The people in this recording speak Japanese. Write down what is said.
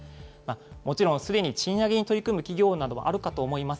もちろんすでに賃上げに取り組む企業などもあるかと思います。